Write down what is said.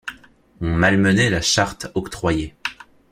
On malmenait la charte octroyée.